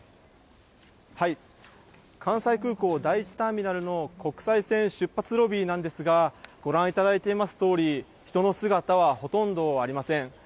関西空港第１ターミナルの国際線出発ロビーなんですが、ご覧いただいていますとおり、人の姿はほとんどありません。